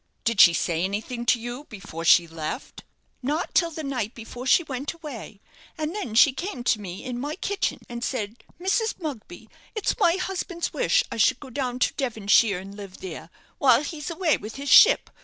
"Did she say anything to you before she left?" "Not till the night before she went away, and then she came to me in my kitchen, and said, 'Mrs. Mugby, it's my husband's wish I should go down to Devonshire and live there, while he's away with his ship.